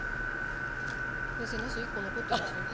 先生なす１個残ってますよ。